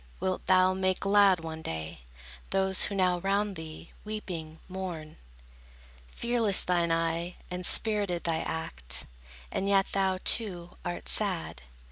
Wilt thou make glad one day, Those, who now round thee, weeping, mourn? Fearless thine eye, and spirited thy act; And yet thou, too, art sad.